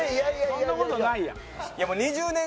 そんな事ないやん。